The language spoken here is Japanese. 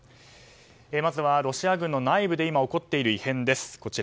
まずはロシア軍の内部で今、起こっている異変です。